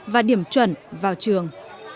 và điểm chuẩn vào trường